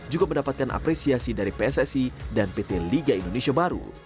juga mendapatkan apresiasi dari pssi dan pt liga indonesia baru